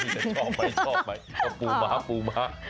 ชอบไปเอาปูม้า